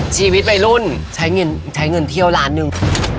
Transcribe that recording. ชีวิตวัยรุ่นใช้เงินเที่ยวล้านหนึ่ง